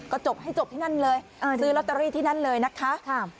ก็จบให้จบที่นั่นเลยซื้อลอตเตอรี่ที่นั่นเลยนะคะ